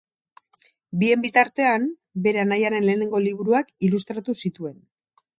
Bien bitartean, bere anaiaren lehenengo liburuak ilustratu zituen.